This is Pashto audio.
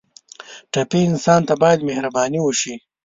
ټپي انسان ته باید مهرباني وشي.